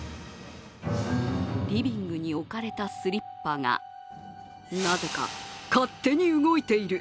リビングに置かれたスリッパが、なぜか勝手に動いている。